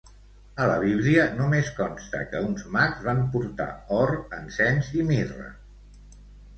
A la Bíblia només consta que uns mags van portar or, encens i mirra.